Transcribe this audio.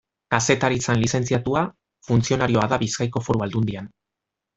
Kazetaritzan lizentziatua, funtzionarioa da Bizkaiko Foru Aldundian.